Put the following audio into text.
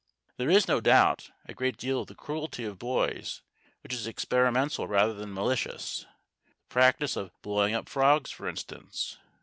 There is, no doubt, a great deal of the cruelty of boys which is experimental rather than malicious the practice of blowing up frogs, for instance.